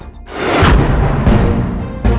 kira kira di pantiasun